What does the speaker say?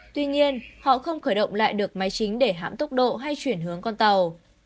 tuy nhiên họ không khởi động lại được máy chính để hạm tốc độ hay chuyển hướng con tàu